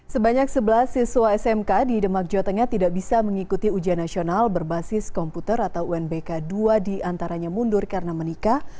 sebanyak sebelas siswa smk di demak jawa tengah tidak bisa mengikuti ujian nasional berbasis komputer atau unbk dua diantaranya mundur karena menikah